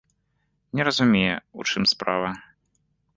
Не разумее, у чым справа.